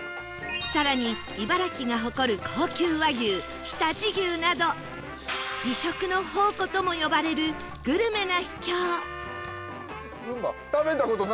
更に茨城が誇る高級和牛常陸牛など美食の宝庫とも呼ばれるグルメな秘境